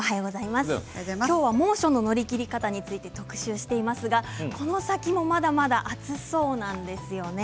今日は猛暑の乗り切り方について特集していますがこの先もまだまだ暑そうなんですよね。